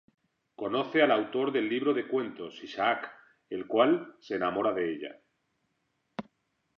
Conoce al autor del libro de cuentos, Isaac, el cual se enamora de ella.